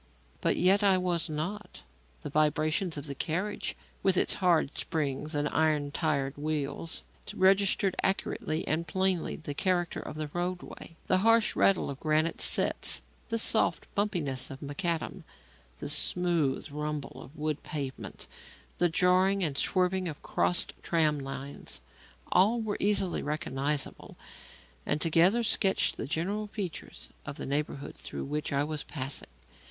But yet I was not. The vibrations of the carriage, with its hard springs and iron tired wheels, registered accurately and plainly the character of the roadway. The harsh rattle of granite setts, the soft bumpiness of macadam, the smooth rumble of wood pavement, the jarring and swerving of crossed tram lines; all were easily recognizable and together sketched the general features of the neighbourhood through which I was passing.